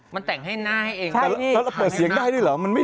มันแต่งให้หน้าให้เองใช่ใช่ถ้าเกิดเปิดเสียงได้ดีหรอมันไม่